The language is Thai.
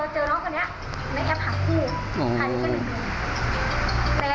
เจอน้องกันเนี่ยแม่แคบหักคู่อันนี้ก็หนึ่ง